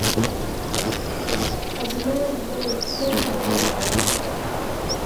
hatimaye akakutana na kundi dogo la watu